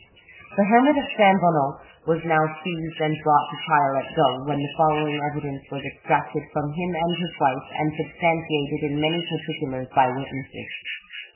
The hermit of S. Bonnot was now seized and brought to trial at Dole, when the following evidence was extracted from him and his wife, and substantiated in many particulars by witnesses.